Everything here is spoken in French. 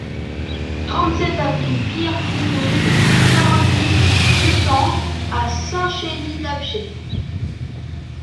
trente-sept avenue Pierre Pignide, quarante-huit, deux cents à Saint-Chély-d'Apcher